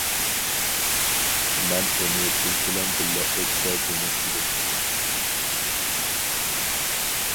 مەن ئۇنى بىز بىلەن بىللە ئۆتسە دېمەكچىدىم.